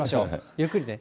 ゆっくりね。